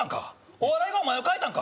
お笑いがお前を変えたんか？